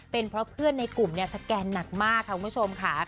เป็นเพราะเพื่อนในกลุ่มเนี่ยสแกนหนักมากค่ะคุณผู้ชมค่ะ